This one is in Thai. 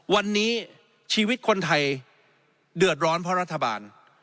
วันนี้ชีวิตคนไทยเดือดร้อนเพราะรัฐบาล